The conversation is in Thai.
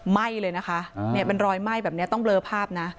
ไหม้เลยนะคะเป็นรอยไหม้แบบนี้ต้องเลอภาพนะ